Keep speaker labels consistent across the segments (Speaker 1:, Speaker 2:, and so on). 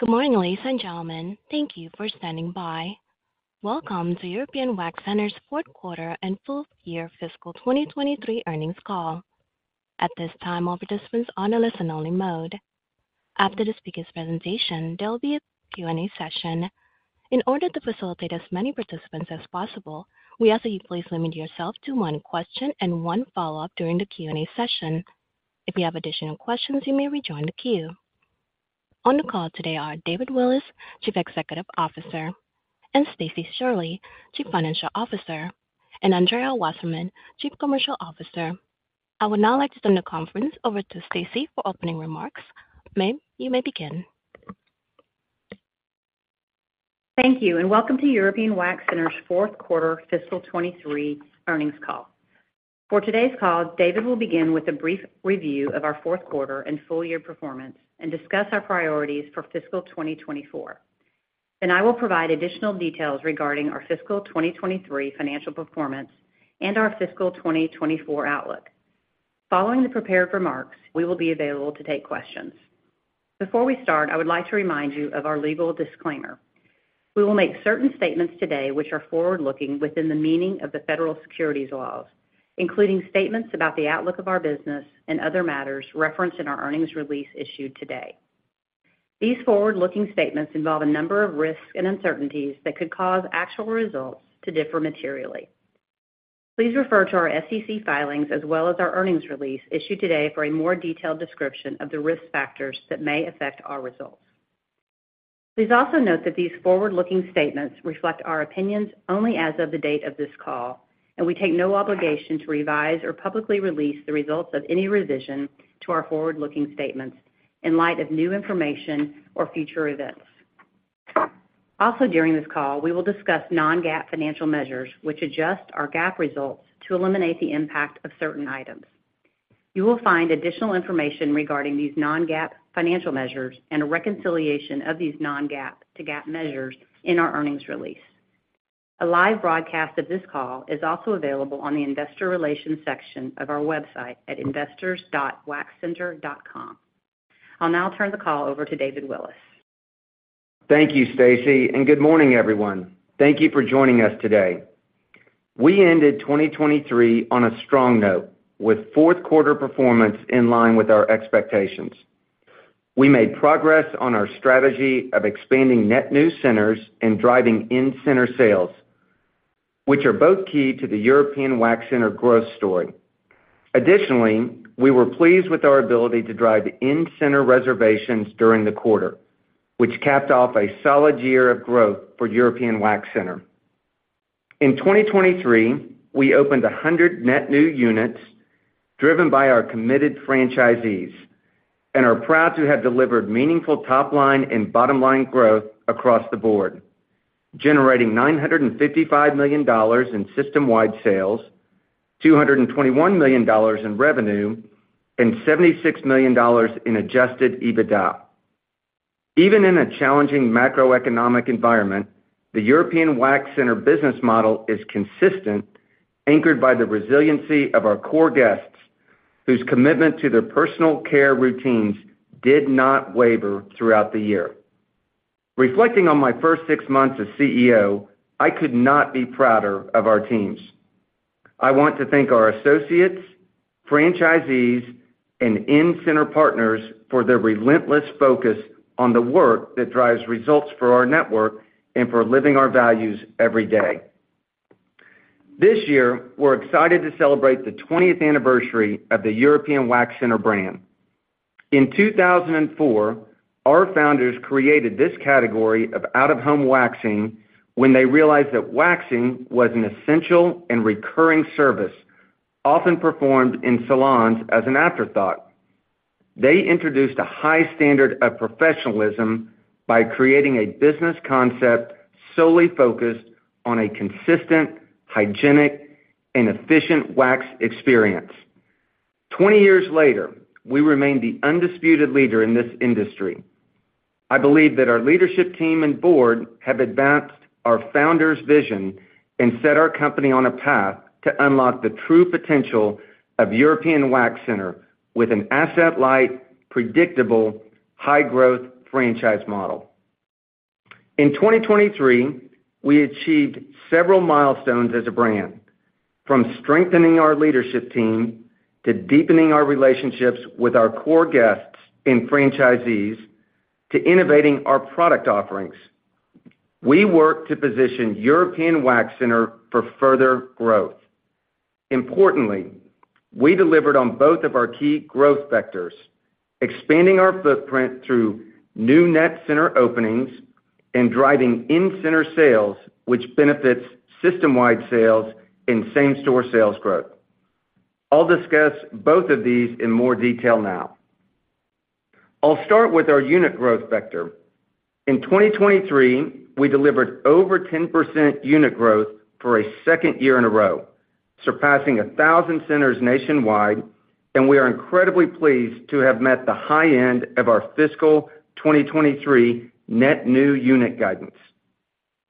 Speaker 1: Good morning, ladies and gentlemen. Thank you for standing by. Welcome to European Wax Center's fourth quarter and full year fiscal 2023 earnings call. At this time, all participants on a listen-only mode. After the speaker's presentation, there will be a Q&A session. In order to facilitate as many participants as possible, we ask that you please limit yourself to one question and one follow-up during the Q&A session. If you have additional questions, you may rejoin the queue. On the call today are David Willis, Chief Executive Officer, and Stacie Shirley, Chief Financial Officer, and Andrea Wasserman, Chief Commercial Officer. I would now like to turn the conference over to Stacie for opening remarks. Ma'am, you may begin.
Speaker 2: Thank you, and welcome to European Wax Center's fourth quarter fiscal 2023 earnings call. For today's call, David will begin with a brief review of our fourth quarter and full year performance and discuss our priorities for fiscal 2024. Then I will provide additional details regarding our fiscal 2023 financial performance and our fiscal 2024 outlook. Following the prepared remarks, we will be available to take questions. Before we start, I would like to remind you of our legal disclaimer. We will make certain statements today which are forward-looking within the meaning of the federal securities laws, including statements about the outlook of our business and other matters referenced in our earnings release issued today. These forward-looking statements involve a number of risks and uncertainties that could cause actual results to differ materially. Please refer to our SEC filings as well as our earnings release issued today for a more detailed description of the risk factors that may affect our results. Please also note that these forward-looking statements reflect our opinions only as of the date of this call, and we take no obligation to revise or publicly release the results of any revision to our forward-looking statements in light of new information or future events. Also, during this call, we will discuss non-GAAP financial measures, which adjust our GAAP results to eliminate the impact of certain items. You will find additional information regarding these non-GAAP financial measures and a reconciliation of these non-GAAP to GAAP measures in our earnings release. A live broadcast of this call is also available on the Investor Relations section of our website at investors.waxcenter.com. I'll now turn the call over to David Willis.
Speaker 3: Thank you, Stacie, and good morning, everyone. Thank you for joining us today. We ended 2023 on a strong note, with fourth quarter performance in line with our expectations. We made progress on our strategy of expanding net new centers and driving in-center sales, which are both key to the European Wax Center growth story. Additionally, we were pleased with our ability to drive in-center reservations during the quarter, which capped off a solid year of growth for European Wax Center. In 2023, we opened 100 net new units driven by our committed franchisees and are proud to have delivered meaningful top-line and bottom-line growth across the board, generating $955 million in system-wide sales, $221 million in revenue, and $76 million in Adjusted EBITDA. Even in a challenging macroeconomic environment, the European Wax Center business model is consistent, anchored by the resiliency of our core guests, whose commitment to their personal care routines did not waver throughout the year. Reflecting on my first six months as CEO, I could not be prouder of our teams. I want to thank our associates, franchisees, and in-center partners for their relentless focus on the work that drives results for our network and for living our values every day. This year, we're excited to celebrate the twentieth anniversary of the European Wax Center brand. In 2004, our founders created this category of out-of-home waxing when they realized that waxing was an essential and recurring service, often performed in salons as an afterthought. They introduced a high standard of professionalism by creating a business concept solely focused on a consistent, hygienic, and efficient wax experience. 20 years later, we remain the undisputed leader in this industry. I believe that our leadership team and board have advanced our founder's vision and set our company on a path to unlock the true potential of European Wax Center with an asset-light, predictable, high-growth franchise model. In 2023, we achieved several milestones as a brand. From strengthening our leadership team, to deepening our relationships with our core guests and franchisees, to innovating our product offerings, we worked to position European Wax Center for further growth. Importantly, we delivered on both of our key growth vectors, expanding our footprint through new net center openings and driving in-center sales, which benefits system-wide sales and same-store sales growth. I'll discuss both of these in more detail now. I'll start with our unit growth vector. In 2023, we delivered over 10% unit growth for a second year in a row, surpassing 1,000 centers nationwide, and we are incredibly pleased to have met the high end of our fiscal 2023 net new unit guidance.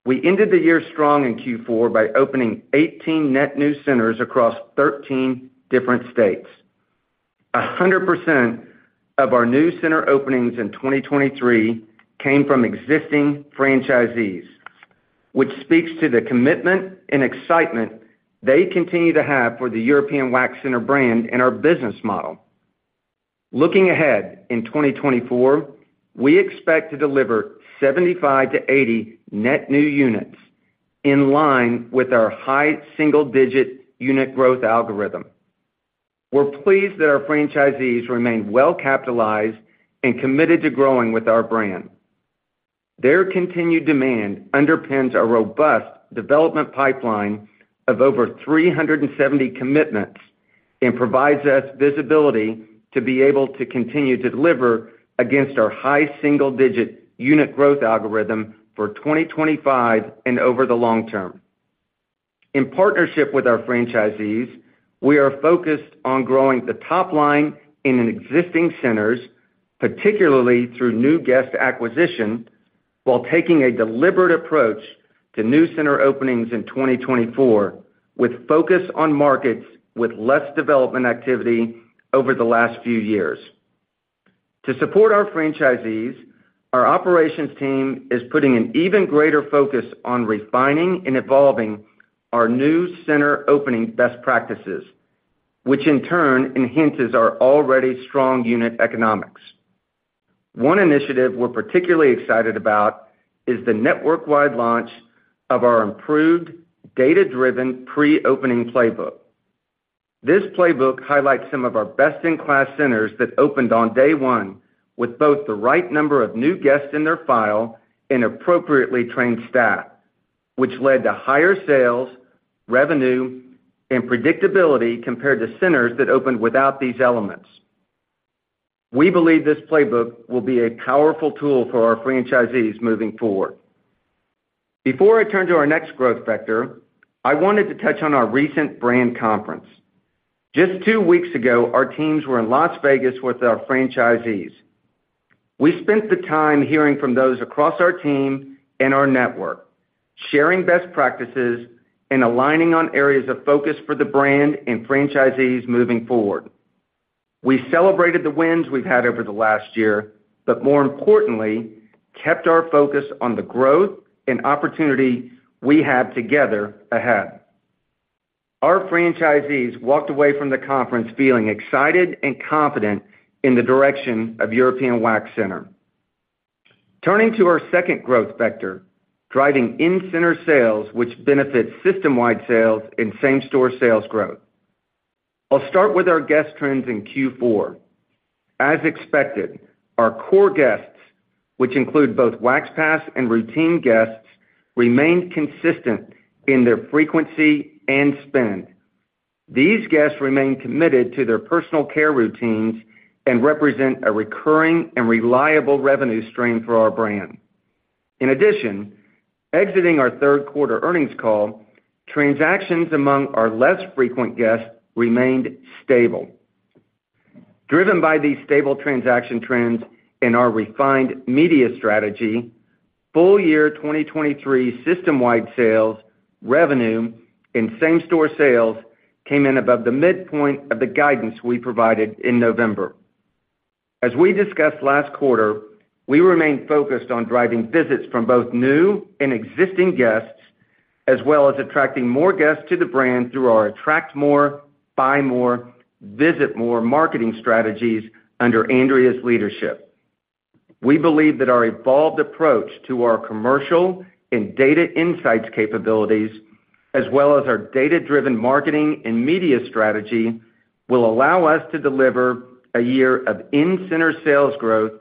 Speaker 3: We ended the year strong in Q4 by opening 18 net new centers across 13 different states. 100% of our new center openings in 2023 came from existing franchisees, which speaks to the commitment and excitement they continue to have for the European Wax Center brand and our business model. Looking ahead, in 2024, we expect to deliver 75-80 net new units, in line with our high single-digit unit growth algorithm. We're pleased that our franchisees remain well-capitalized and committed to growing with our brand. Their continued demand underpins a robust development pipeline of over 370 commitments, and provides us visibility to be able to continue to deliver against our high single-digit unit growth algorithm for 2025 and over the long term. In partnership with our franchisees, we are focused on growing the top line in existing centers, particularly through new guest acquisition, while taking a deliberate approach to new center openings in 2024, with focus on markets with less development activity over the last few years. To support our franchisees, our operations team is putting an even greater focus on refining and evolving our new center opening best practices, which in turn enhances our already strong unit economics. One initiative we're particularly excited about is the network-wide launch of our improved data-driven pre-opening playbook. This playbook highlights some of our best-in-class centers that opened on day one with both the right number of new guests in their file and appropriately trained staff, which led to higher sales, revenue, and predictability compared to centers that opened without these elements. We believe this playbook will be a powerful tool for our franchisees moving forward. Before I turn to our next growth vector, I wanted to touch on our recent brand conference. Just two weeks ago, our teams were in Las Vegas with our franchisees. We spent the time hearing from those across our team and our network, sharing best practices, and aligning on areas of focus for the brand and franchisees moving forward. We celebrated the wins we've had over the last year, but more importantly, kept our focus on the growth and opportunity we have together ahead. Our franchisees walked away from the conference feeling excited and confident in the direction of European Wax Center. Turning to our second growth vector, driving in-center sales, which benefits system-wide sales and same-store sales growth. I'll start with our guest trends in Q4. As expected, our core guests, which include both Wax Pass and routine guests, remained consistent in their frequency and spend. These guests remain committed to their personal care routines and represent a recurring and reliable revenue stream for our brand. In addition, exiting our third quarter earnings call, transactions among our less frequent guests remained stable. Driven by these stable transaction trends and our refined media strategy, full year 2023 system-wide sales, revenue, and same-store sales came in above the midpoint of the guidance we provided in November. As we discussed last quarter, we remain focused on driving visits from both new and existing guests, as well as attracting more guests to the brand through our Attract More, Buy More, Visit More marketing strategies under Andrea's leadership. We believe that our evolved approach to our commercial and data insights capabilities, as well as our data-driven marketing and media strategy, will allow us to deliver a year of in-center sales growth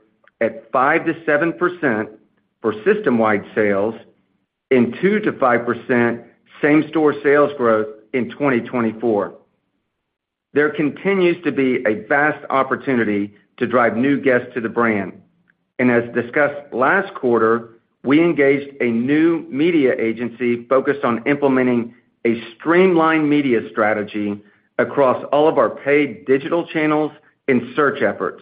Speaker 3: at 5%-7% for system-wide sales and 2%-5% same-store sales growth in 2024. There continues to be a vast opportunity to drive new guests to the brand, and as discussed last quarter, we engaged a new media agency focused on implementing a streamlined media strategy across all of our paid digital channels and search efforts.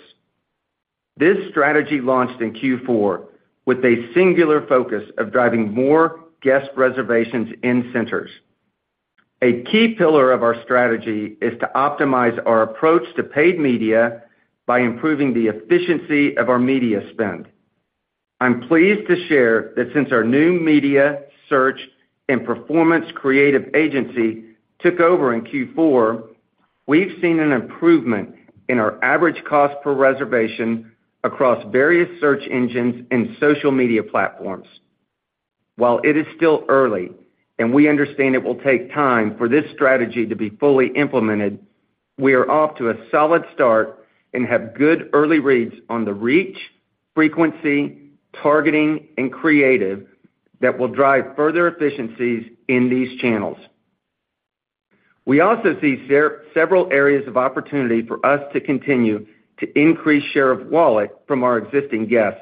Speaker 3: This strategy launched in Q4 with a singular focus of driving more guest reservations in centers. A key pillar of our strategy is to optimize our approach to paid media by improving the efficiency of our media spend. I'm pleased to share that since our new media, search, and performance creative agency took over in Q4, we've seen an improvement in our average cost per reservation across various search engines and social media platforms. While it is still early, and we understand it will take time for this strategy to be fully implemented, we are off to a solid start and have good early reads on the reach, frequency, targeting, and creative that will drive further efficiencies in these channels. We also see several areas of opportunity for us to continue to increase share of wallet from our existing guests.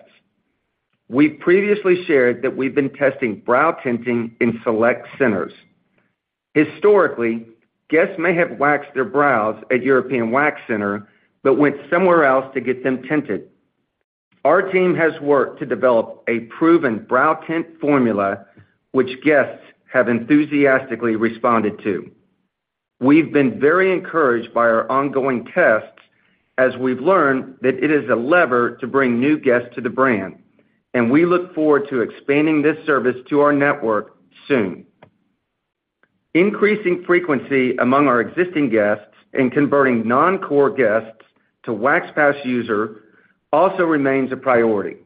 Speaker 3: We previously shared that we've been testing Brow Tint in select centers. Historically, guests may have waxed their brows at European Wax Center, but went somewhere else to get them tinted. Our team has worked to develop a proven Brow Tint formula, which guests have enthusiastically responded to. We've been very encouraged by our ongoing tests as we've learned that it is a lever to bring new guests to the brand, and we look forward to expanding this service to our network soon. Increasing frequency among our existing guests and converting non-core guests to Wax Pass user also remains a priority.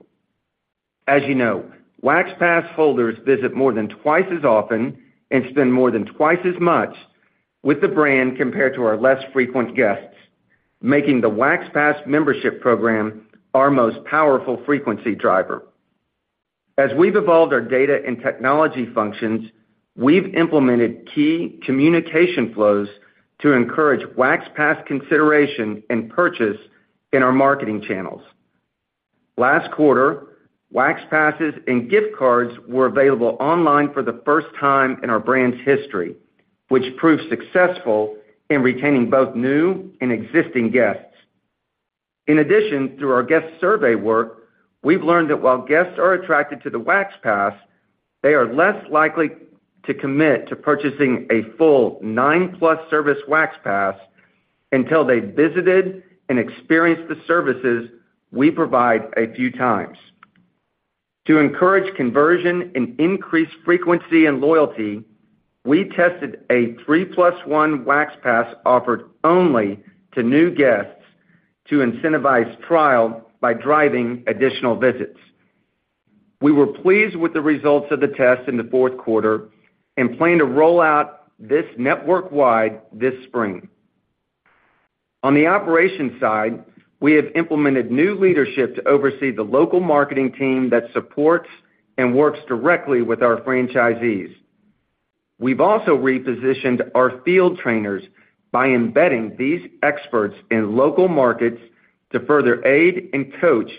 Speaker 3: As you know, Wax Pass holders visit more than twice as often and spend more than twice as much with the brand compared to our less frequent guests, making the Wax Pass membership program our most powerful frequency driver. As we've evolved our data and technology functions, we've implemented key communication flows to encourage Wax Pass consideration and purchase in our marketing channels. Last quarter, Wax Passes and gift cards were available online for the first time in our brand's history, which proved successful in retaining both new and existing guests. In addition, through our guest survey work, we've learned that while guests are attracted to the Wax Pass, they are less likely to commit to purchasing a full 9+ service Wax Pass until they've visited and experienced the services we provide a few times. To encourage conversion and increase frequency and loyalty, we tested a 3+1 Wax Pass offered only to new guests to incentivize trial by driving additional visits. We were pleased with the results of the test in the fourth quarter and plan to roll out this network-wide this spring. On the operations side, we have implemented new leadership to oversee the local marketing team that supports and works directly with our franchisees. We've also repositioned our field trainers by embedding these experts in local markets to further aid and coach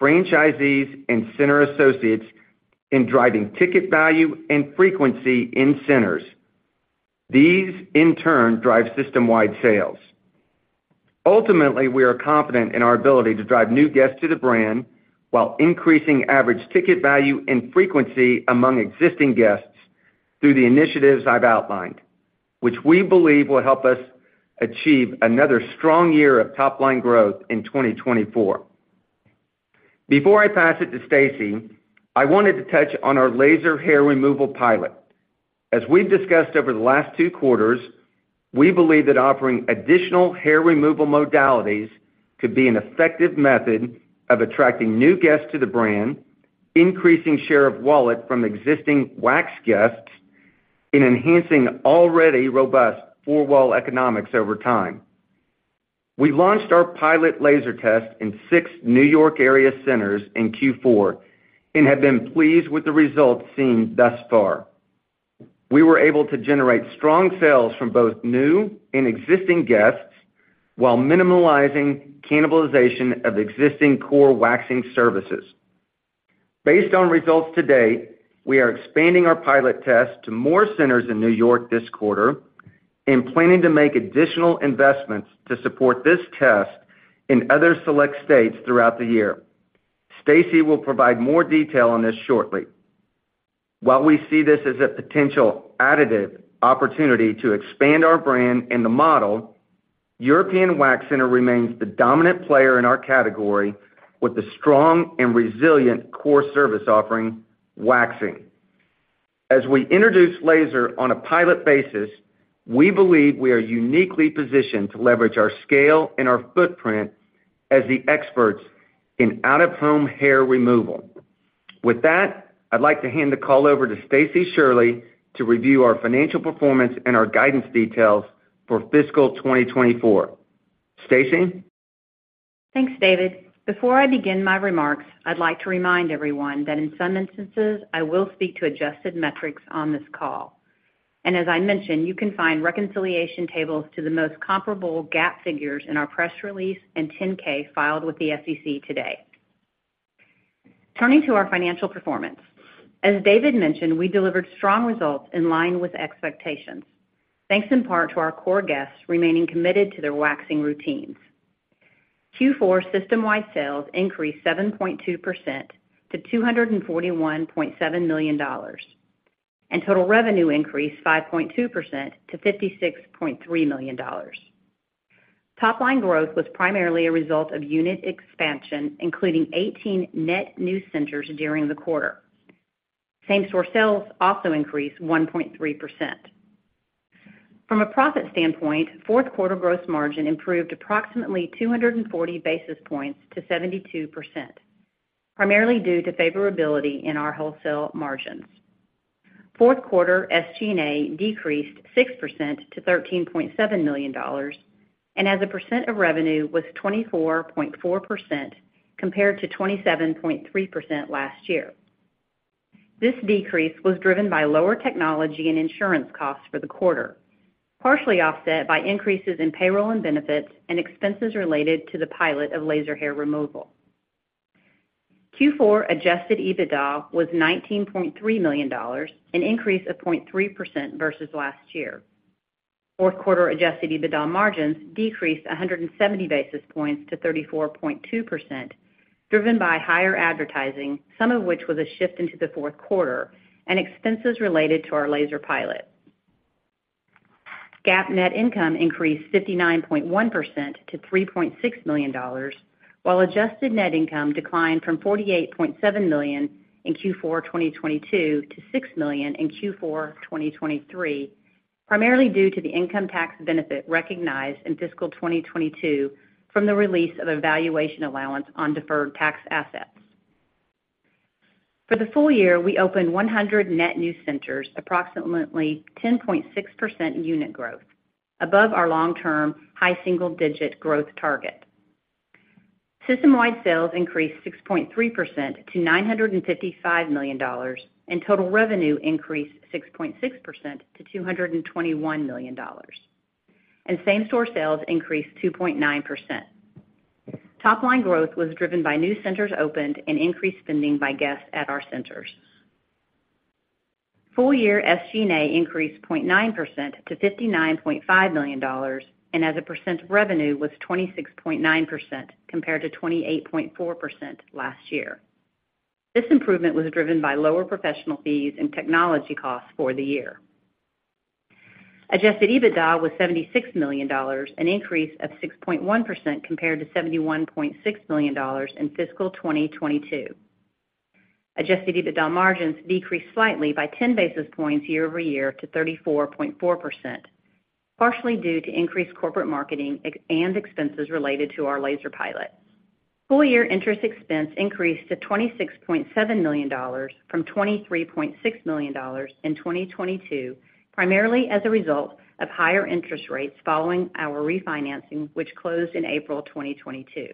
Speaker 3: franchisees and center associates in driving ticket value and frequency in centers. These, in turn, drive system-wide sales. Ultimately, we are confident in our ability to drive new guests to the brand, while increasing average ticket value and frequency among existing guests through the initiatives I've outlined, which we believe will help us achieve another strong year of top-line growth in 2024. Before I pass it to Stacie, I wanted to touch on our laser hair removal pilot. As we've discussed over the last two quarters, we believe that offering additional hair removal modalities could be an effective method of attracting new guests to the brand, increasing share of wallet from existing wax guests, and enhancing already robust four-wall economics over time. We launched our pilot laser test in six New York area centers in Q4 and have been pleased with the results seen thus far. We were able to generate strong sales from both new and existing guests, while minimizing cannibalization of existing core waxing services. Based on results to date, we are expanding our pilot test to more centers in New York this quarter and planning to make additional investments to support this test in other select states throughout the year. Stacie will provide more detail on this shortly. While we see this as a potential additive opportunity to expand our brand and the model, European Wax Center remains the dominant player in our category, with a strong and resilient core service offering, waxing. As we introduce laser on a pilot basis, we believe we are uniquely positioned to leverage our scale and our footprint as the experts in out-of-home hair removal. With that, I'd like to hand the call over to Stacie Shirley to review our financial performance and our guidance details for fiscal 2024. Stacie?
Speaker 2: Thanks, David. Before I begin my remarks, I'd like to remind everyone that in some instances, I will speak to adjusted metrics on this call. And as I mentioned, you can find reconciliation tables to the most comparable GAAP figures in our press release and 10-K filed with the SEC today. Turning to our financial performance. As David mentioned, we delivered strong results in line with expectations, thanks in part to our core guests remaining committed to their waxing routines. Q4 system-wide sales increased 7.2% to $241.7 million, and total revenue increased 5.2% to $56.3 million. Top-line growth was primarily a result of unit expansion, including 18 net new centers during the quarter. Same-store sales also increased 1.3%. From a profit standpoint, fourth quarter gross margin improved approximately 240 basis points to 72%, primarily due to favorability in our wholesale margins. Fourth quarter SG&A decreased 6% to $13.7 million, and as a percent of revenue was 24.4%, compared to 27.3% last year. This decrease was driven by lower technology and insurance costs for the quarter, partially offset by increases in payroll and benefits and expenses related to the pilot of laser hair removal. Q4 Adjusted EBITDA was $19.3 million, an increase of 0.3% versus last year. Fourth quarter Adjusted EBITDA margins decreased 170 basis points to 34.2%, driven by higher advertising, some of which was a shift into the fourth quarter, and expenses related to our laser pilot. GAAP net income increased 59.1% to $3.6 million, while adjusted net income declined from $48.7 million in Q4 2022 to $6 million in Q4 2023, primarily due to the income tax benefit recognized in fiscal 2022 from the release of a valuation allowance on deferred tax assets. For the full year, we opened 100 net new centers, approximately 10.6% unit growth, above our long-term high single-digit growth target. System-wide sales increased 6.3% to $955 million, and total revenue increased 6.6% to $221 million, and same-store sales increased 2.9%. Top line growth was driven by new centers opened and increased spending by guests at our centers. Full year SG&A increased 0.9% to $59.5 million, and as a percent of revenue was 26.9% compared to 28.4% last year. This improvement was driven by lower professional fees and technology costs for the year. Adjusted EBITDA was $76 million, an increase of 6.1% compared to $71.6 million in fiscal 2022. Adjusted EBITDA margins decreased slightly by 10 basis points year-over-year to 34.4%, partially due to increased corporate marketing and expenses related to our laser pilot. Full year interest expense increased to $26.7 million from $23.6 million in 2022, primarily as a result of higher interest rates following our refinancing, which closed in April 2022.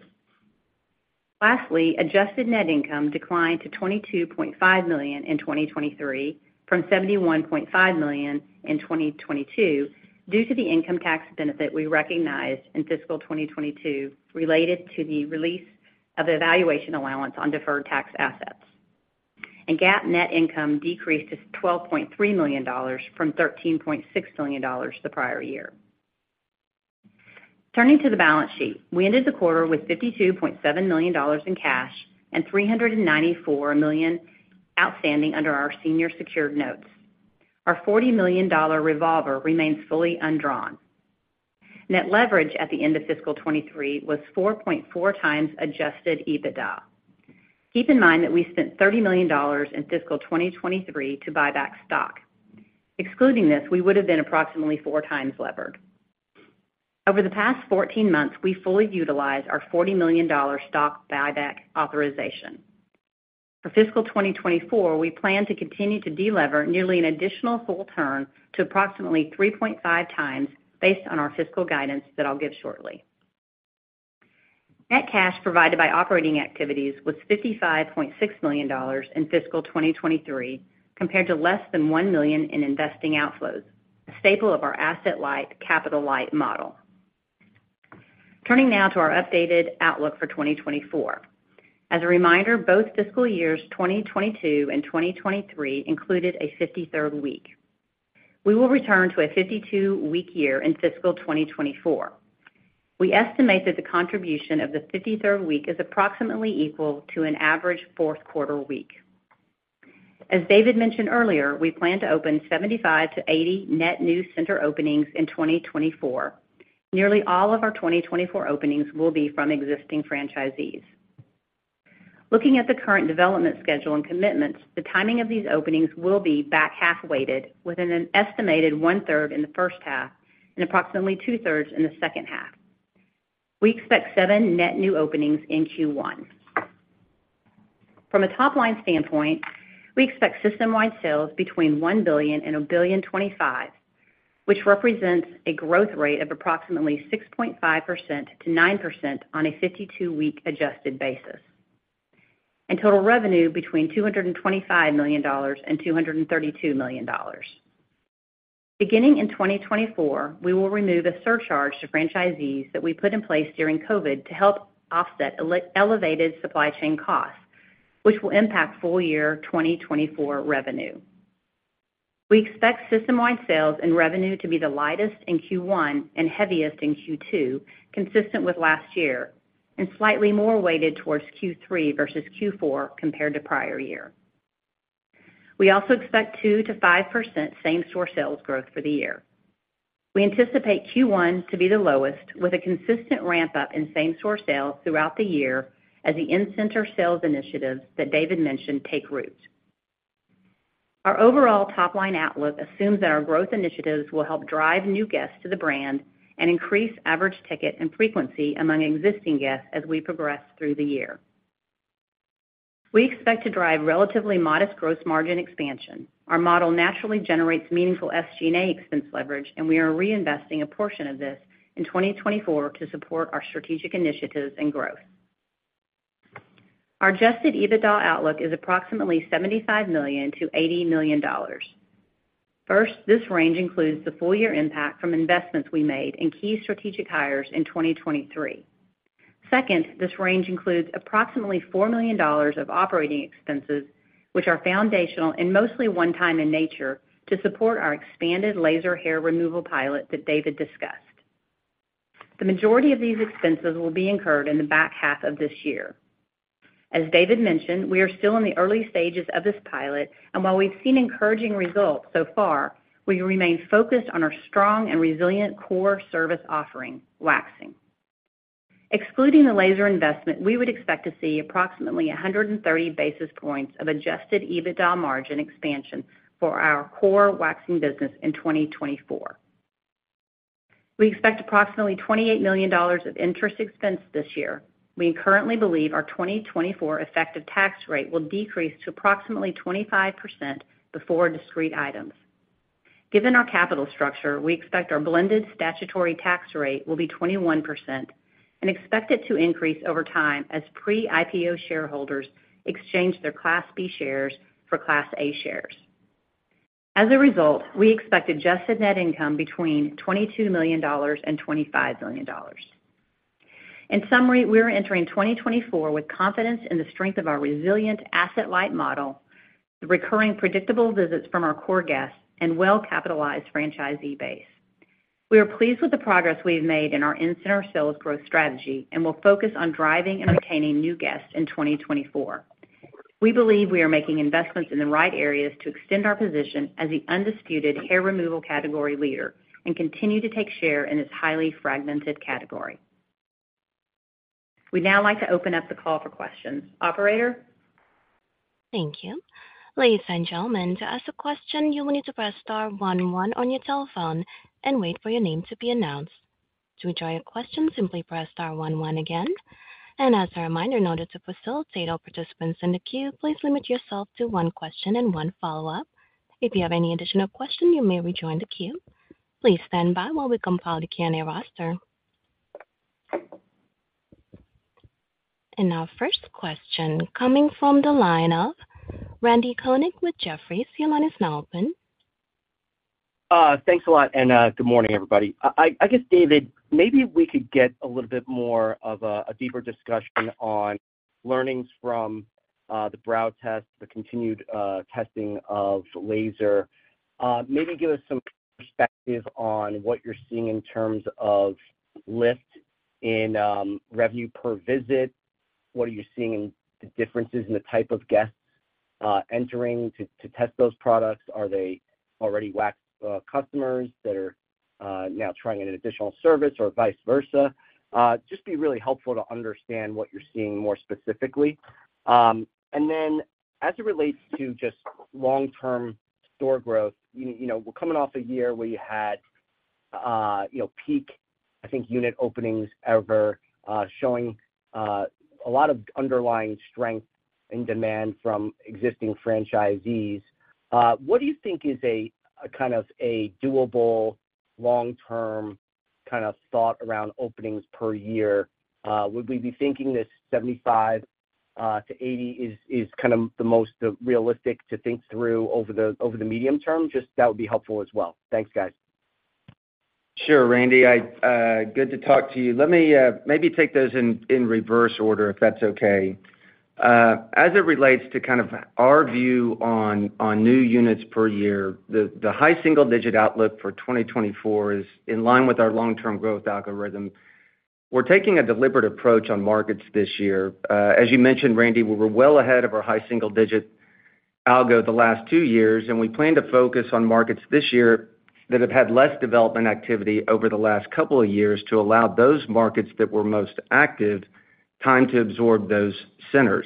Speaker 2: Lastly, adjusted net income declined to $22.5 million in 2023 from $71.5 million in 2022, due to the income tax benefit we recognized in fiscal 2022 related to the release of the valuation allowance on deferred tax assets. GAAP net income decreased to $12.3 million from $13.6 million the prior year. Turning to the balance sheet, we ended the quarter with $52.7 million in cash and $394 million outstanding under our senior secured notes. Our $40 million revolver remains fully undrawn. Net leverage at the end of fiscal 2023 was 4.4x Adjusted EBITDA. Keep in mind that we spent $30 million in fiscal 2023 to buy back stock. Excluding this, we would have been approximately 4x levered. Over the past 14 months, we fully utilized our $40 million stock buyback authorization. For fiscal 2024, we plan to continue to delever nearly an additional full term to approximately 3.5 times based on our fiscal guidance that I'll give shortly. Net cash provided by operating activities was $55.6 million in fiscal 2023, compared to less than $1 million in investing outflows, a staple of our asset-light, capital-light model. Turning now to our updated outlook for 2024. As a reminder, both fiscal years 2022 and 2023 included a fifty-third week. We will return to a 52-week year in fiscal 2024. We estimate that the contribution of the fifty-third week is approximately equal to an average fourth quarter week. As David mentioned earlier, we plan to open 75-80 net new center openings in 2024. Nearly all of our 2024 openings will be from existing franchisees. Looking at the current development schedule and commitments, the timing of these openings will be back-half weighted, with an estimated one-third in the first half and approximately two-thirds in the second half. We expect 7 net new openings in Q1. From a top-line standpoint, we expect system-wide sales between $1 billion and $1.025 billion, which represents a growth rate of approximately 6.5%-9% on a 52-week adjusted basis, and total revenue between $225 million and $232 million. Beginning in 2024, we will remove a surcharge to franchisees that we put in place during COVID to help offset elevated supply chain costs, which will impact full year 2024 revenue. We expect System-Wide Sales and revenue to be the lightest in Q1 and heaviest in Q2, consistent with last year, and slightly more weighted towards Q3 versus Q4 compared to prior year. We also expect 2%-5% Same-Store Sales growth for the year. We anticipate Q1 to be the lowest, with a consistent ramp-up in Same-Store Sales throughout the year as the in-center sales initiatives that David mentioned take root. Our overall top-line outlook assumes that our growth initiatives will help drive new guests to the brand and increase average ticket and frequency among existing guests as we progress through the year. We expect to drive relatively modest gross margin expansion. Our model naturally generates meaningful SG&A expense leverage, and we are reinvesting a portion of this in 2024 to support our strategic initiatives and growth. Our Adjusted EBITDA outlook is approximately $75 million-$80 million. First, this range includes the full year impact from investments we made in key strategic hires in 2023. Second, this range includes approximately $4 million of operating expenses, which are foundational and mostly one-time in nature, to support our expanded laser hair removal pilot that David discussed. The majority of these expenses will be incurred in the back half of this year. As David mentioned, we are still in the early stages of this pilot, and while we've seen encouraging results so far, we remain focused on our strong and resilient core service offering, waxing. Excluding the laser investment, we would expect to see approximately 130 basis points of Adjusted EBITDA margin expansion for our core waxing business in 2024. We expect approximately $28 million of interest expense this year. We currently believe our 2024 effective tax rate will decrease to approximately 25% before discrete items. Given our capital structure, we expect our blended statutory tax rate will be 21% and expect it to increase over time as pre-IPO shareholders exchange their Class B shares for Class A shares. As a result, we expect adjusted net income between $22 million and $25 million. In summary, we are entering 2024 with confidence in the strength of our resilient asset-light model, the recurring predictable visits from our core guests, and well-capitalized franchisee base. We are pleased with the progress we've made in our in-center sales growth strategy and will focus on driving and retaining new guests in 2024. We believe we are making investments in the right areas to extend our position as the undisputed hair removal category leader and continue to take share in this highly fragmented category. We'd now like to open up the call for questions. Operator?
Speaker 1: Thank you. Ladies and gentlemen, to ask a question, you will need to press star one, one on your telephone and wait for your name to be announced. To withdraw your question, simply press star one, one again, and as a reminder, in order to facilitate all participants in the queue, please limit yourself to one question and one follow-up. If you have any additional questions, you may rejoin the queue. Please stand by while we compile the Q&A roster. Our first question coming from the line of Randy Konik with Jefferies. Your line is now open.
Speaker 4: Thanks a lot, and good morning, everybody. I guess, David, maybe we could get a little bit more of a deeper discussion on learnings from the brow test, the continued testing of laser. Maybe give us some perspective on what you're seeing in terms of lift in revenue per visit. What are you seeing in the differences in the type of guests entering to test those products? Are they already waxed customers that are now trying an additional service or vice versa? Just be really helpful to understand what you're seeing more specifically. And then as it relates to just long-term store growth, you know, we're coming off a year where you had, you know, peak, I think, unit openings ever, showing a lot of underlying strength and demand from existing franchisees. What do you think is a kind of a doable, long-term kind of thought around openings per year? Would we be thinking this 75-80 is kind of the most realistic to think through over the medium term? Just that would be helpful as well. Thanks, guys.
Speaker 3: Sure, Randy, I, good to talk to you. Let me, maybe take those in, in reverse order, if that's okay. As it relates to kind of our view on, on new units per year, the high single-digit outlook for 2024 is in line with our long-term growth algorithm. We're taking a deliberate approach on markets this year. As you mentioned, Randy, we were well ahead of our high single digit algo the last two years, and we plan to focus on markets this year that have had less development activity over the last couple of years to allow those markets that were most active, time to absorb those centers.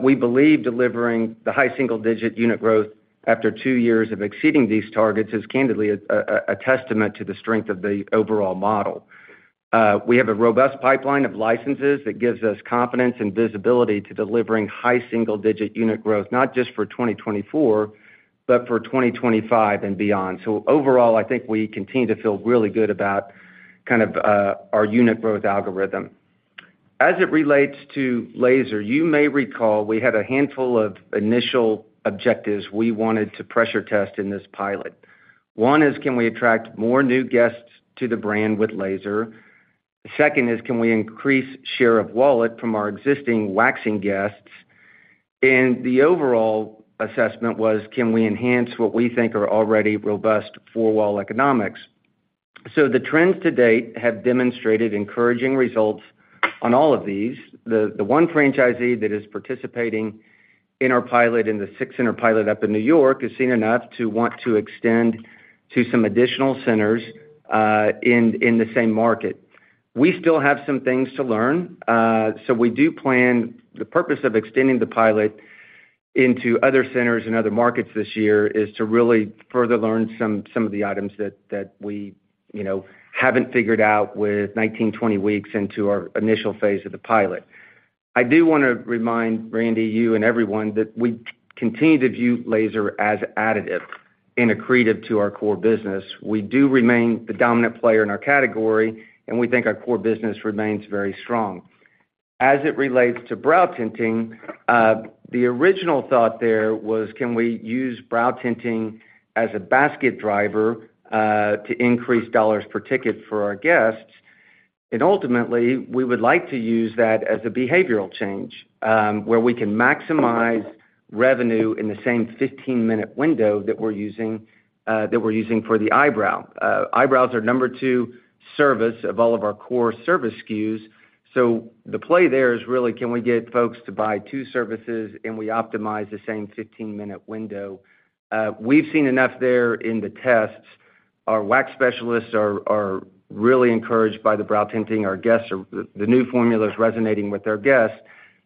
Speaker 3: We believe delivering the high single digit unit growth after two years of exceeding these targets is candidly a testament to the strength of the overall model. We have a robust pipeline of licenses that gives us confidence and visibility to delivering high single-digit unit growth, not just for 2024, but for 2025 and beyond. So overall, I think we continue to feel really good about kind of our unit growth algorithm. As it relates to laser, you may recall we had a handful of initial objectives we wanted to pressure test in this pilot. One is, can we attract more new guests to the brand with laser? The second is, can we increase share of wallet from our existing waxing guests? And the overall assessment was, can we enhance what we think are already robust four-wall economics? So the trends to date have demonstrated encouraging results on all of these. The one franchisee that is participating in our pilot, in the six-center pilot up in New York, has seen enough to want to extend to some additional centers, in the same market. We still have some things to learn. So we do plan. The purpose of extending the pilot into other centers and other markets this year, is to really further learn some of the items that we, you know, haven't figured out with 19-20 weeks into our initial phase of the pilot. I do want to remind Randy, you and everyone, that we continue to view laser as additive and accretive to our core business. We do remain the dominant player in our category, and we think our core business remains very strong. As it relates to Brow Tinting, the original thought there was, can we use Brow Tinting as a basket driver to increase dollars per ticket for our guests? And ultimately, we would like to use that as a behavioral change, where we can maximize revenue in the same 15-minute window that we're using for the eyebrow. Eyebrows are number two service of all of our core service SKUs, so the play there is really, can we get folks to buy two services, and we optimize the same 15-minute window? We've seen enough there in the tests. Our wax specialists are really encouraged by the Brow Tinting. Our guests are. The new formula is resonating with our guests.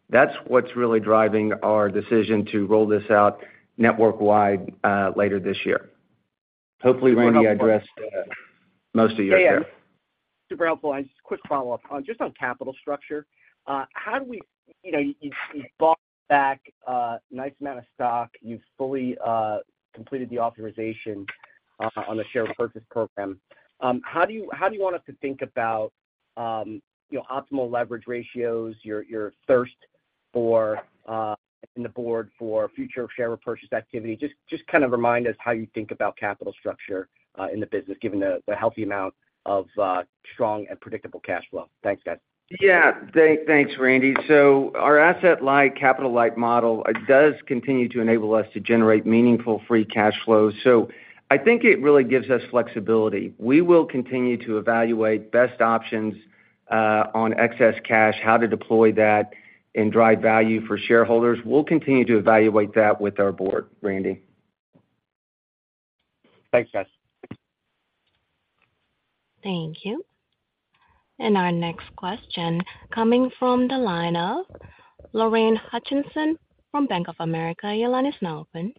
Speaker 3: That's what's really driving our decision to roll this out network-wide, later this year. Hopefully, Randy, I addressed most of your questions.
Speaker 4: Yeah, super helpful. Just a quick follow-up on capital structure. How do we... You know, you bought back a nice amount of stock. You've fully completed the authorization on the share repurchase program. How do you want us to think about, you know, optimal leverage ratios, your thirst for in the board for future share repurchase activity? Just kind of remind us how you think about capital structure in the business, given the healthy amount of strong and predictable cash flow. Thanks, guys.
Speaker 3: Yeah, thanks, Randy. So our asset-light, capital-light model, it does continue to enable us to generate meaningful free cash flows, so I think it really gives us flexibility. We will continue to evaluate best options on excess cash, how to deploy that and drive value for shareholders. We'll continue to evaluate that with our board, Randy.
Speaker 4: Thanks, guys.
Speaker 1: Thank you. Our next question coming from the line of Lorraine Hutchinson from Bank of America. Your line is now open.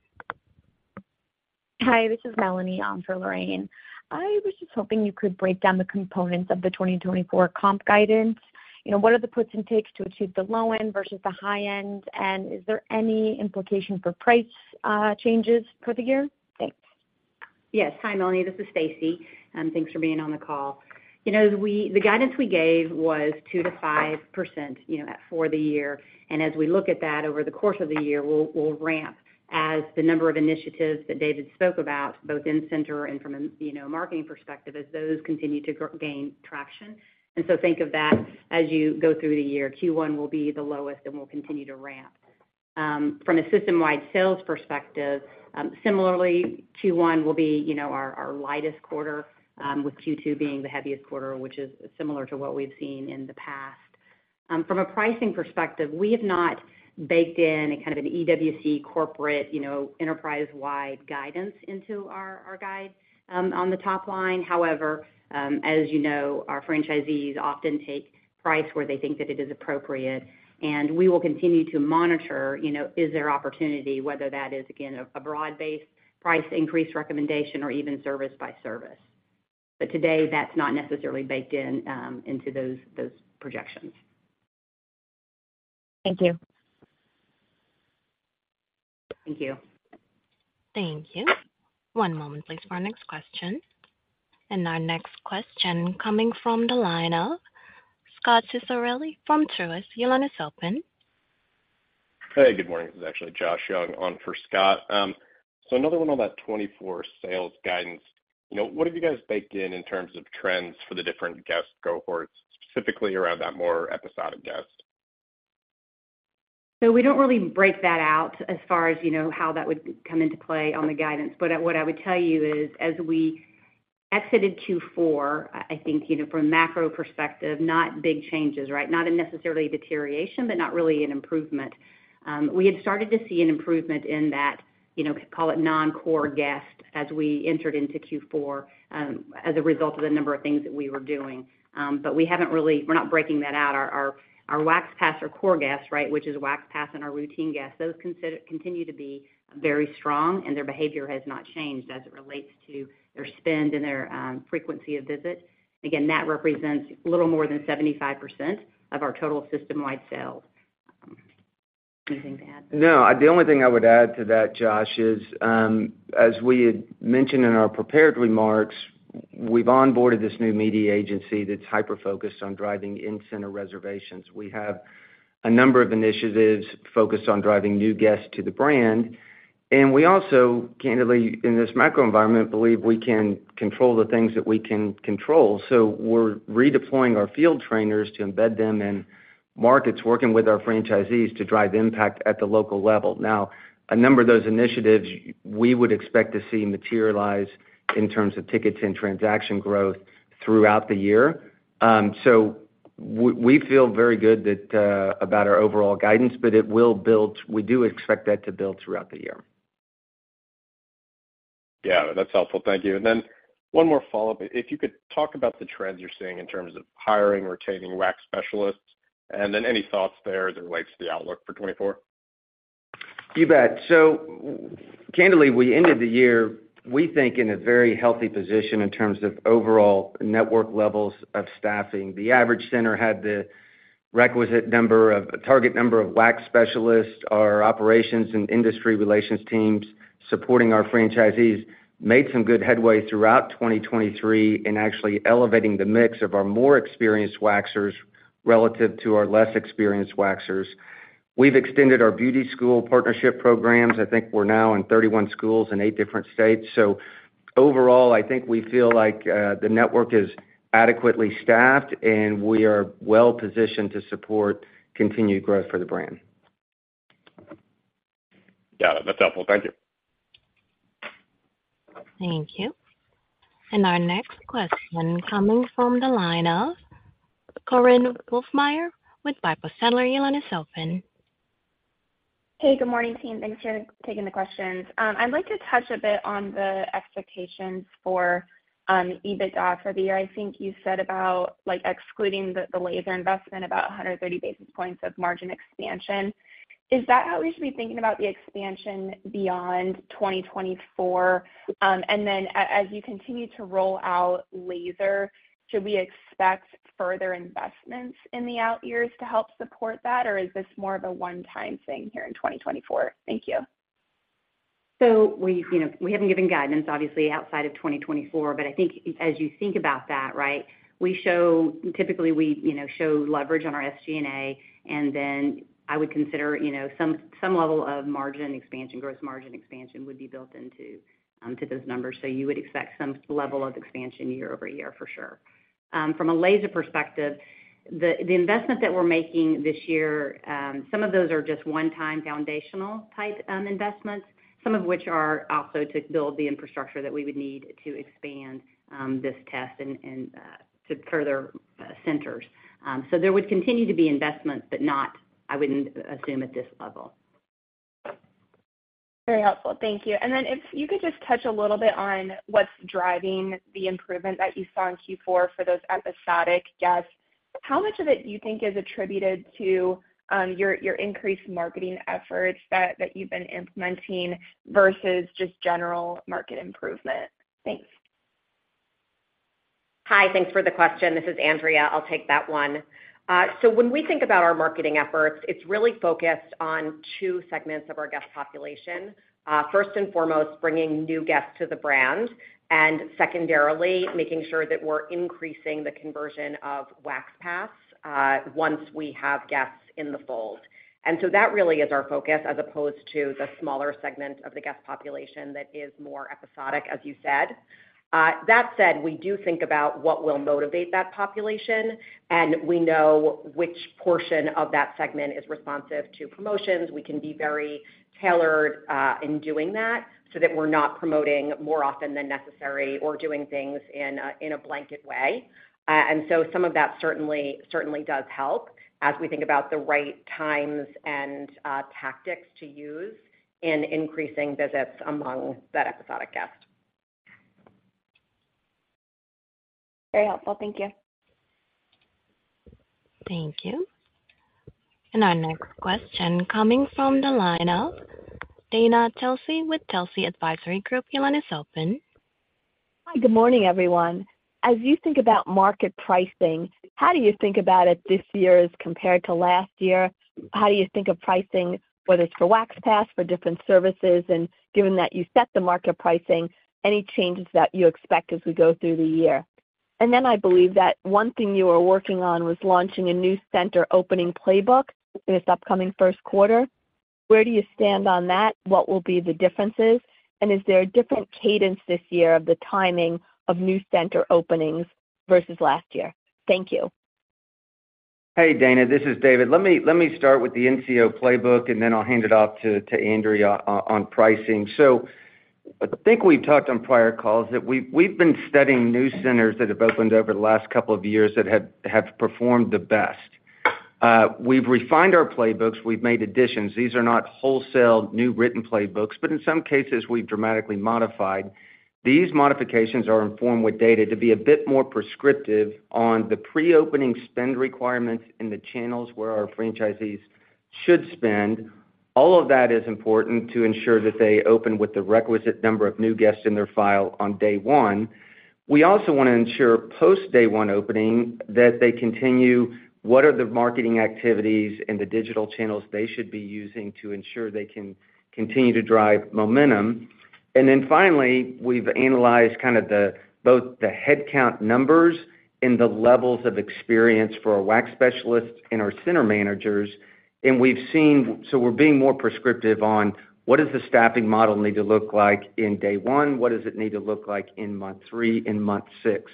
Speaker 5: Hi, this is Melanie on for Lorraine. I was just hoping you could break down the components of the 2024 comp guidance. You know, what are the puts and takes to achieve the low end versus the high end? And is there any implication for price changes for the year? Thanks.
Speaker 2: Yes. Hi, Melanie, this is Stacie, and thanks for being on the call. You know, we-- the guidance we gave was 2%-5%, you know, as for the year, and as we look at that over the course of the year, we'll, we'll ramp as the number of initiatives that David spoke about, both in center and from a, you know, marketing perspective, as those continue to gain traction. And so think of that as you go through the year. Q1 will be the lowest, and we'll continue to ramp. From a system-wide sales perspective, similarly, Q1 will be, you know, our, our lightest quarter, with Q2 being the heaviest quarter, which is similar to what we've seen in the past. From a pricing perspective, we have not baked in a kind of an EWC corporate, you know, enterprise-wide guidance into our, our guide, on the top line. However, as you know, our franchisees often take price where they think that it is appropriate, and we will continue to monitor, you know, is there opportunity, whether that is, again, a, a broad-based price increase recommendation or even service by service. But today, that's not necessarily baked in, into those, those projections.
Speaker 5: Thank you.
Speaker 2: Thank you.
Speaker 1: Thank you. One moment, please, for our next question. Our next question coming from the line of Scott Ciccarelli from Truist. Your line is open.
Speaker 6: Hey, good morning. This is actually Josh Young on for Scott. So another one on that 2024 sales guidance. You know, what have you guys baked in in terms of trends for the different guest cohorts, specifically around that more episodic guest?
Speaker 2: So we don't really break that out as far as, you know, how that would come into play on the guidance. But what I would tell you is, as we exited Q4, I think, you know, from a macro perspective, not big changes, right? Not necessarily a deterioration, but not really an improvement. We had started to see an improvement in that, you know, call it non-core guest, as we entered into Q4, as a result of the number of things that we were doing. But we haven't really. We're not breaking that out. Our Wax Pass, our core guests, right, which is Wax Pass and our routine guests, those continue to be very strong, and their behavior has not changed as it relates to their spend and their frequency of visit. Again, that represents a little more than 75% of our total system-wide sales. Anything to add?
Speaker 3: No. The only thing I would add to that, Josh, is, as we had mentioned in our prepared remarks, we've onboarded this new media agency that's hyper-focused on driving in-center reservations. We have a number of initiatives focused on driving new guests to the brand, and we also, candidly, in this macro environment, believe we can control the things that we can control. So we're redeploying our field trainers to embed them in markets, working with our franchisees to drive impact at the local level. Now, a number of those initiatives we would expect to see materialize in terms of tickets and transaction growth throughout the year. So we, we feel very good that about our overall guidance, but it will build. We do expect that to build throughout the year.
Speaker 6: Yeah, that's helpful. Thank you. And then one more follow-up. If you could talk about the trends you're seeing in terms of hiring, retaining wax specialists, and then any thoughts there as it relates to the outlook for 2024?
Speaker 3: You bet. So candidly, we ended the year, we think, in a very healthy position in terms of overall network levels of staffing. The average center had the requisite number of a target number of wax specialists. Our operations and industry relations teams supporting our franchisees made some good headway throughout 2023 in actually elevating the mix of our more experienced waxers relative to our less experienced waxers....
Speaker 7: We've extended our beauty school partnership programs. I think we're now in 31 schools in 8 different states. So overall, I think we feel like the network is adequately staffed, and we are well-positioned to support continued growth for the brand.
Speaker 3: Got it. That's helpful. Thank you.
Speaker 1: Thank you. And our next question coming from the line of Korinne Wolfmeyer with Piper Sandler. Your line is open.
Speaker 8: Hey, good morning, team. Thanks for taking the questions. I'd like to touch a bit on the expectations for EBITDA for the year. I think you said about, like, excluding the laser investment, about 100 basis points of margin expansion. Is that how we should be thinking about the expansion beyond 2024? And then as you continue to roll out laser, should we expect further investments in the out years to help support that, or is this more of a one-time thing here in 2024? Thank you.
Speaker 2: So we've you know, we haven't given guidance, obviously, outside of 2024, but I think as you think about that, right, we show typically, we, you know, show leverage on our SG&A, and then I would consider, you know, some level of margin expansion, gross margin expansion, would be built into to those numbers. So you would expect some level of expansion year-over-year, for sure. From a laser perspective, the investment that we're making this year, some of those are just one-time foundational type investments, some of which are also to build the infrastructure that we would need to expand this test and to further centers. So there would continue to be investments, but not, I wouldn't assume, at this level.
Speaker 8: Very helpful. Thank you. And then if you could just touch a little bit on what's driving the improvement that you saw in Q4 for those episodic guests. How much of it do you think is attributed to your increased marketing efforts that you've been implementing versus just general market improvement? Thanks.
Speaker 3: Hi, thanks for the question. This is Andrea. I'll take that one. So when we think about our marketing efforts, it's really focused on two segments of our guest population. First and foremost, bringing new guests to the brand, and secondarily, making sure that we're increasing the conversion of Wax Pass, once we have guests in the fold. And so that really is our focus, as opposed to the smaller segment of the guest population that is more episodic, as you said. That said, we do think about what will motivate that population, and we know which portion of that segment is responsive to promotions. We can be very tailored in doing that, so that we're not promoting more often than necessary or doing things in a blanket way. And so some of that certainly, certainly does help as we think about the right times and tactics to use in increasing visits among that episodic guest.
Speaker 8: Very helpful. Thank you.
Speaker 1: Thank you. Our next question coming from the line of Dana Telsey with Telsey Advisory Group. Your line is open.
Speaker 7: Hi, good morning, everyone. As you think about market pricing, how do you think about it this year as compared to last year? How do you think of pricing, whether it's for Wax Pass, for different services, and given that you set the market pricing, any changes that you expect as we go through the year? And then I believe that one thing you were working on was launching a new center opening playbook in this upcoming first quarter. Where do you stand on that? What will be the differences? And is there a different cadence this year of the timing of new center openings versus last year? Thank you.
Speaker 3: Hey, Dana, this is David. Let me, let me start with the NCO playbook, and then I'll hand it off to, to Andrea on, on pricing. So I think we've talked on prior calls that we've, we've been studying new centers that have opened over the last couple of years that have, have performed the best. We've refined our playbooks. We've made additions. These are not wholesale, new written playbooks, but in some cases, we've dramatically modified. These modifications are informed with data to be a bit more prescriptive on the pre-opening spend requirements in the channels where our franchisees should spend. All of that is important to ensure that they open with the requisite number of new guests in their file on day one. We also want to ensure post day one opening, that they continue what are the marketing activities and the digital channels they should be using to ensure they can continue to drive momentum. And then finally, we've analyzed kind of the, both the headcount numbers and the levels of experience for our wax specialists and our center managers, and we've seen. So we're being more prescriptive on what does the staffing model need to look like in day one? What does it need to look like in month three and month six?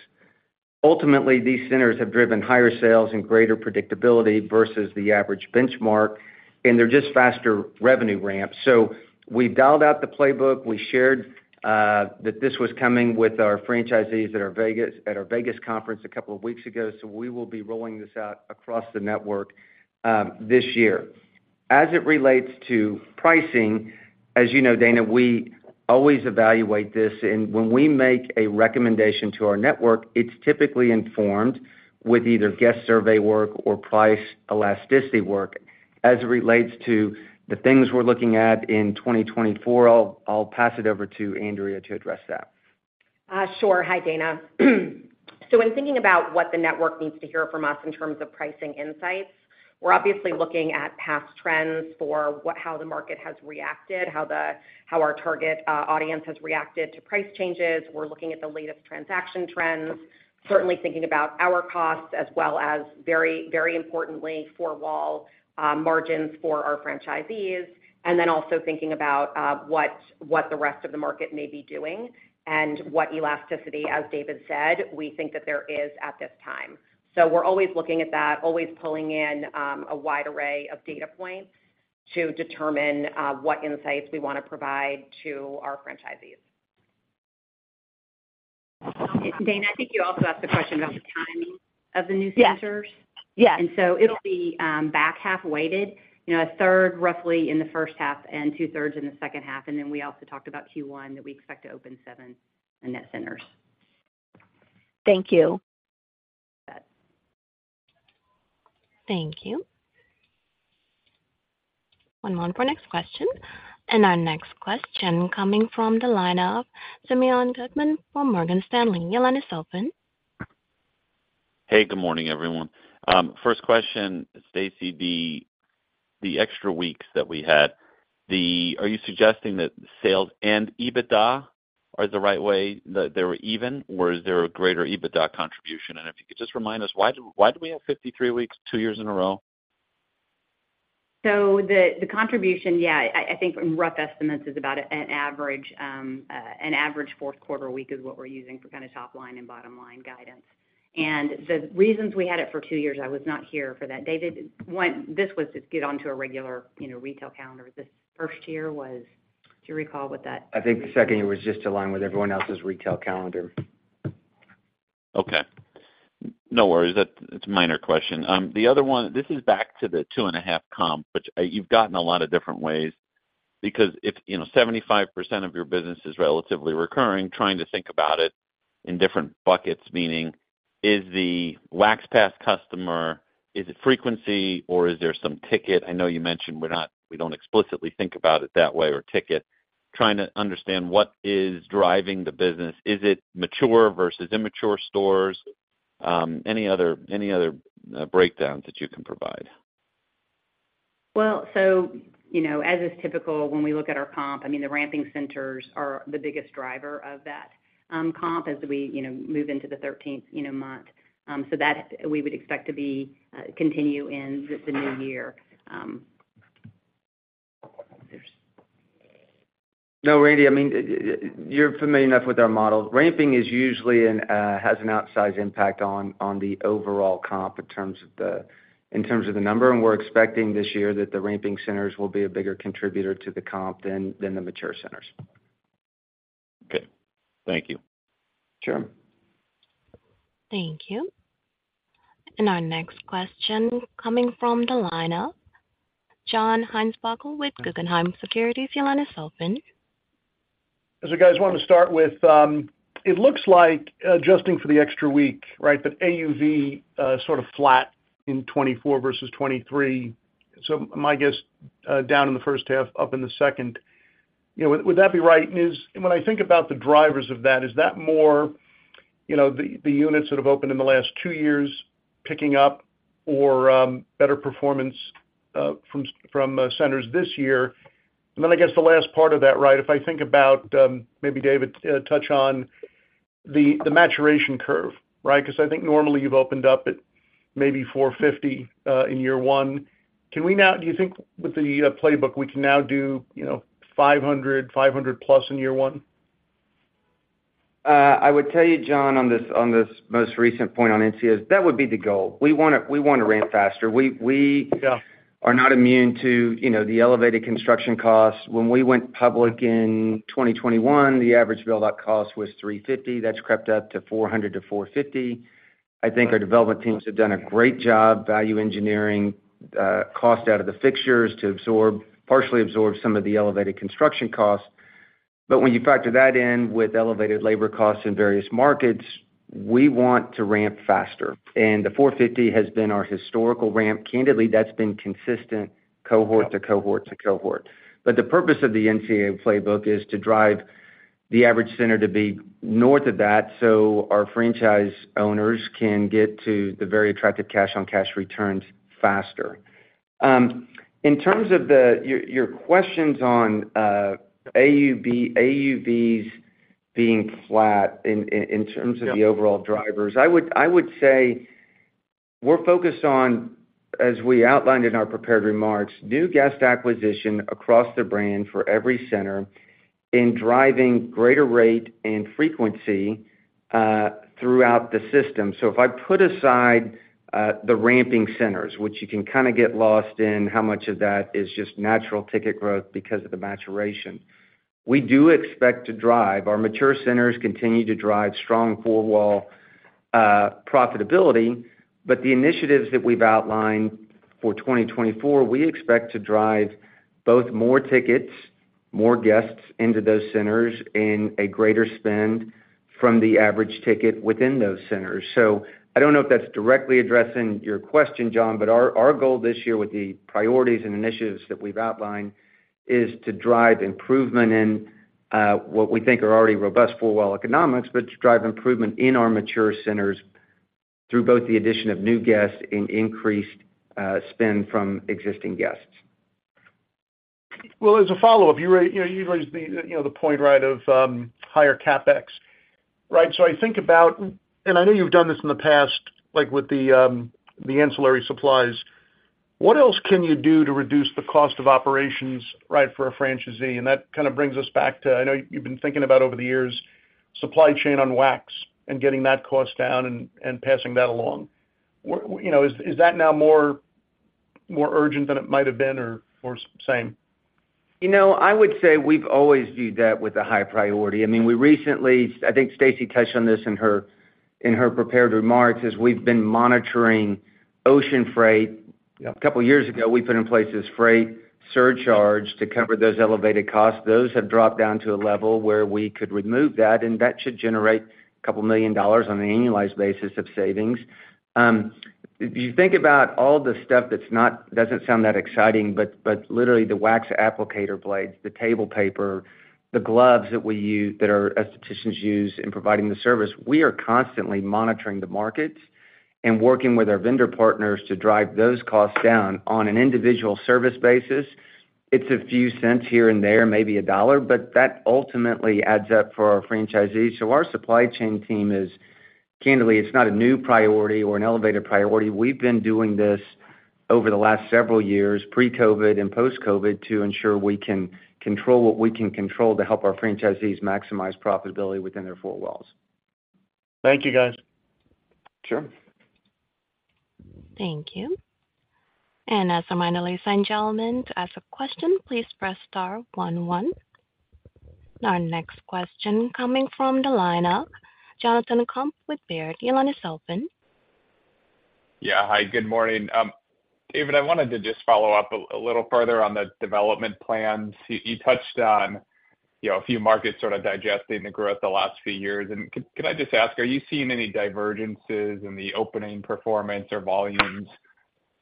Speaker 3: Ultimately, these centers have driven higher sales and greater predictability versus the average benchmark, and they're just faster revenue ramps. So we've dialed out the playbook. We shared that this was coming with our franchisees at our Vegas conference a couple of weeks ago, so we will be rolling this out across the network this year. As it relates to pricing, as you know, Dana, we always evaluate this, and when we make a recommendation to our network, it's typically informed with either guest survey work or price elasticity work. As it relates to the things we're looking at in 2024, I'll pass it over to Andrea to address that....
Speaker 9: Sure. Hi, Dana. So when thinking about what the network needs to hear from us in terms of pricing insights, we're obviously looking at past trends for how the market has reacted, how our target audience has reacted to price changes. We're looking at the latest transaction trends, certainly thinking about our costs as well as very, very importantly, four-wall margins for our franchisees, and then also thinking about what the rest of the market may be doing and what elasticity, as David said, we think that there is at this time. So we're always looking at that, always pulling in a wide array of data points to determine what insights we want to provide to our franchisees.
Speaker 2: Dana, I think you also asked the question about the timing of the new centers.
Speaker 7: Yes. Yeah.
Speaker 2: So it'll be back-half weighted, you know, roughly a third in the first half and two-thirds in the second half. Then we also talked about Q1, that we expect to open seven net centers.
Speaker 7: Thank you.
Speaker 1: Thank you. One moment for next question. Our next question coming from the line of Simeon Gutman from Morgan Stanley. Your line is open.
Speaker 10: Hey, good morning, everyone. First question, Stacie, the extra weeks that we had, are you suggesting that sales and EBITDA are the right way, that they were even? Or is there a greater EBITDA contribution? And if you could just remind us, why we have 53 weeks, two years in a row?
Speaker 2: So the contribution, yeah, I think in rough estimates, is about an average fourth quarter week is what we're using for kind of top line and bottom line guidance. And the reasons we had it for two years, I was not here for that. David, when this was to get onto a regular, you know, retail calendar. This first year was... Do you recall what that
Speaker 3: I think the second year was just to align with everyone else's retail calendar.
Speaker 10: Okay. No worries. That's a minor question. The other one, this is back to the 2.5 comp, which, you've gotten a lot of different ways, because if, you know, 75% of your business is relatively recurring, trying to think about it in different buckets, meaning, is the Wax Pass customer, is it frequency or is there some ticket? I know you mentioned we're not—we don't explicitly think about it that way, or ticket. Trying to understand what is driving the business. Is it mature versus immature stores? Any other, any other, breakdowns that you can provide?
Speaker 2: Well, so you know, as is typical, when we look at our comp, I mean, the ramping centers are the biggest driver of that, comp as we, you know, move into the 13th, you know, month. So that we would expect to be continue in the new year.
Speaker 3: No, Randy, I mean, you're familiar enough with our model. Ramping is usually has an outsized impact on the overall comp in terms of the number, and we're expecting this year that the ramping centers will be a bigger contributor to the comp than the mature centers.
Speaker 10: Okay, thank you.
Speaker 3: Sure.
Speaker 1: Thank you. Our next question coming from the line of John Heinbockel with Guggenheim Securities. Your line is open.
Speaker 11: So guys, wanted to start with, it looks like adjusting for the extra week, right, but AUV sort of flat in 2024 versus 2023. So my guess, down in the first half, up in the second. You know, would that be right? And when I think about the drivers of that, is that more, you know, the units that have opened in the last two years, picking up or better performance from centers this year? And then I guess the last part of that, right, if I think about, maybe David touch on the maturation curve, right? Because I think normally you've opened up at maybe 450 in year one. Can we now do you think with the playbook, we can now do, you know, 500, 500+ in year one?
Speaker 3: I would tell you, John, on this most recent point on NCOs, that would be the goal. We wanna ramp faster. We-
Speaker 11: Yeah ...
Speaker 3: are not immune to, you know, the elevated construction costs. When we went public in 2021, the average build out cost was $350. That's crept up to $400-$450. I think our development teams have done a great job value engineering, cost out of the fixtures to absorb, partially absorb some of the elevated construction costs. But when you factor that in with elevated labor costs in various markets, we want to ramp faster, and the $450 has been our historical ramp. Candidly, that's been consistent cohort to cohort to cohort. But the purpose of the NCO playbook is to drive the average center to be north of that, so our franchise owners can get to the very attractive cash-on-cash returns faster. In terms of your questions on AUVs being flat in terms-
Speaker 11: Yeah...
Speaker 3: of the overall drivers, I would, I would say we're focused on, as we outlined in our prepared remarks, new guest acquisition across the brand for every center in driving greater rate and frequency throughout the system. So if I put aside the ramping centers, which you can kind of get lost in, how much of that is just natural ticket growth because of the maturation, we do expect to drive. Our mature centers continue to drive strong four-wall profitability, but the initiatives that we've outlined for 2024, we expect to drive both more tickets, more guests into those centers, in a greater spend from the average ticket within those centers. So I don't know if that's directly addressing your question, John, but our goal this year with the priorities and initiatives that we've outlined is to drive improvement in what we think are already robust four-wall economics, but to drive improvement in our mature centers... through both the addition of new guests and increased spend from existing guests.
Speaker 11: Well, as a follow-up, you raised, you know, you raised the, you know, the point, right, of higher CapEx, right? So I think about, and I know you've done this in the past, like, with the ancillary supplies. What else can you do to reduce the cost of operations, right, for a franchisee? And that kind of brings us back to, I know you've been thinking about over the years, supply chain on wax and getting that cost down and passing that along. You know, is that now more urgent than it might have been or same?
Speaker 3: You know, I would say we've always viewed that with a high priority. I mean, we recently, I think Stacie touched on this in her, in her prepared remarks, is we've been monitoring ocean freight. A couple of years ago, we put in place this freight surcharge to cover those elevated costs. Those have dropped down to a level where we could remove that, and that should generate $2 million on an annualized basis of savings. If you think about all the stuff that's not, doesn't sound that exciting, but, but literally the wax applicator blades, the table paper, the gloves that we use, that our aestheticians use in providing the service, we are constantly monitoring the markets and working with our vendor partners to drive those costs down on an individual service basis. It's a few cents here and there, maybe a dollar, but that ultimately adds up for our franchisees. So our supply chain team is... Candidly, it's not a new priority or an elevated priority. We've been doing this over the last several years, pre-COVID and post-COVID, to ensure we can control what we can control to help our franchisees maximize profitability within their four walls.
Speaker 11: Thank you, guys.
Speaker 3: Sure.
Speaker 1: Thank you. As a reminder, ladies and gentlemen, to ask a question, please press star one, one. Our next question coming from the lineup, Jonathan Komp with Baird. Your line is open.
Speaker 12: Yeah. Hi, good morning. David, I wanted to just follow up a little further on the development plans. You touched on, you know, a few markets sort of digesting the growth the last few years. And can I just ask, are you seeing any divergences in the opening performance or volumes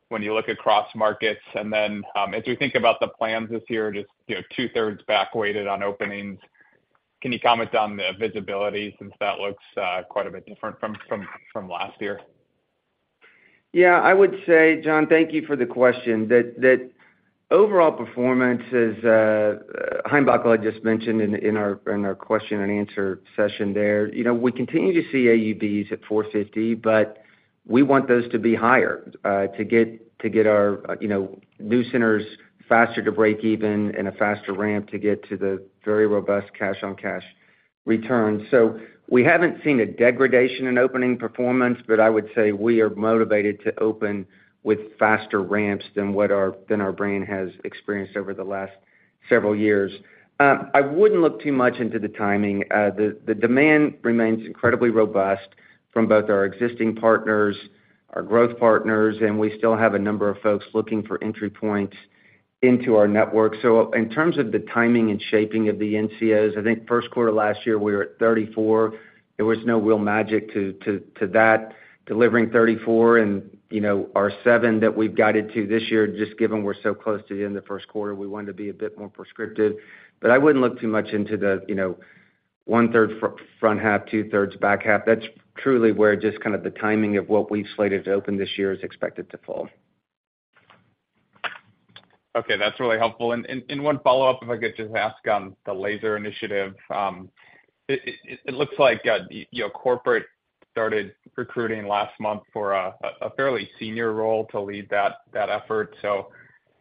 Speaker 12: when you look across markets? And then, as we think about the plans this year, just, you know, two-thirds back weighted on openings, can you comment on the visibility, since that looks quite a bit different from last year?
Speaker 3: Yeah, I would say, Jon, thank you for the question, that, that overall performance is, Heinbockel just mentioned in, in our, in our question and answer session there. You know, we continue to see AUVs at $450, but we want those to be higher, to get, to get our, you know, new centers faster to break even and a faster ramp to get to the very robust cash-on-cash return. So we haven't seen a degradation in opening performance, but I would say we are motivated to open with faster ramps than what our—than our brand has experienced over the last several years. I wouldn't look too much into the timing. The, the demand remains incredibly robust from both our existing partners, our growth partners, and we still have a number of folks looking for entry points into our network. So in terms of the timing and shaping of the NCOs, I think first quarter last year, we were at 34. There was no real magic to that, delivering 34. And, you know, our 7 that we've guided to this year, just given we're so close to the end of the first quarter, we wanted to be a bit more prescriptive. But I wouldn't look too much into the, you know, one third front half, two thirds back half. That's truly where just kind of the timing of what we've slated to open this year is expected to fall.
Speaker 12: Okay, that's really helpful. And one follow-up, if I could just ask on the laser initiative. It looks like, you know, corporate started recruiting last month for a fairly senior role to lead that effort. So,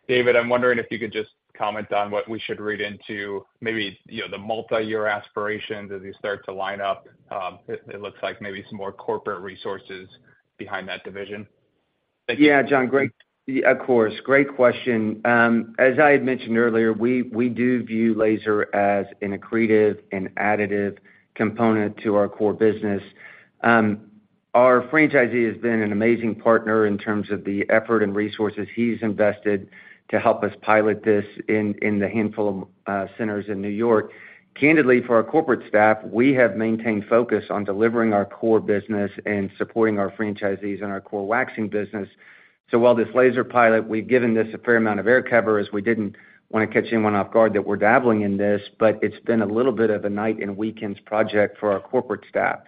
Speaker 12: David, I'm wondering if you could just comment on what we should read into maybe, you know, the multiyear aspirations as you start to line up. It looks like maybe some more corporate resources behind that division. Thank you.
Speaker 3: Yeah, Jon, great. Of course. Great question. As I had mentioned earlier, we, we do view laser as an accretive and additive component to our core business. Our franchisee has been an amazing partner in terms of the effort and resources he's invested to help us pilot this in the handful of centers in New York. Candidly, for our corporate staff, we have maintained focus on delivering our core business and supporting our franchisees in our core waxing business. So while this laser pilot, we've given this a fair amount of air cover, as we didn't want to catch anyone off guard that we're dabbling in this, but it's been a little bit of a night and weekends project for our corporate staff.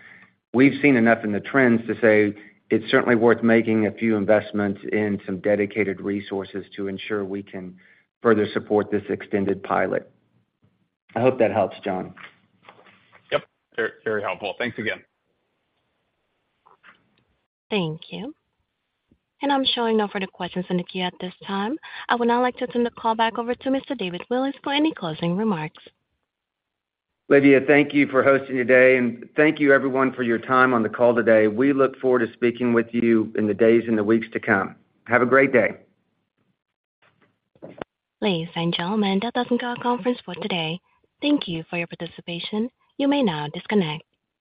Speaker 3: We've seen enough in the trends to say it's certainly worth making a few investments in some dedicated resources to ensure we can further support this extended pilot. I hope that helps, Jon.
Speaker 12: Yep, very, very helpful. Thanks again.
Speaker 1: Thank you. I'm showing no further questions in the queue at this time. I would now like to turn the call back over to Mr. David Willis for any closing remarks.
Speaker 3: Lydia, thank you for hosting today, and thank you everyone for your time on the call today. We look forward to speaking with you in the days and the weeks to come. Have a great day.
Speaker 1: Ladies and gentlemen, that does end the conference call for today. Thank you for your participation. You may now disconnect.